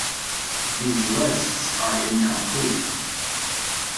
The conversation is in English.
These lists are incomplete.